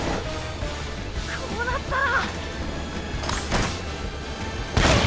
こうなったら！